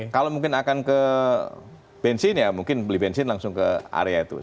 kalau mungkin akan ke bensin ya mungkin beli bensin langsung ke area itu